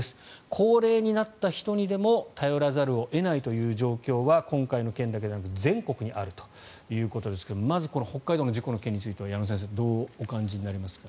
高齢になった人にでも頼らざるを得ないという状況は今回の件だけでなく全国にあるということですがまず、この北海道の事故の件については矢野先生どうお感じになりますか？